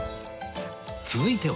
続いては